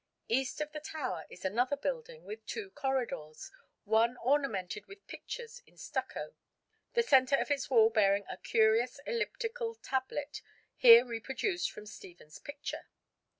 East of the tower is another building with two corridors, one ornamented with pictures in stucco, the centre of its wall bearing a curious elliptical tablet here reproduced from Stephens's picture.